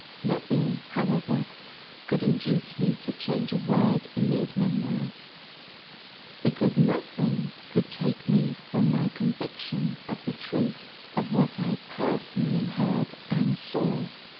Nothing, however, could induce me to change a word in these Memoirs, because nothing could take from me my conviction of the truth of what I personally heard and saw.